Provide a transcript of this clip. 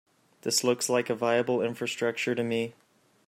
This looks like a viable infrastructure to me.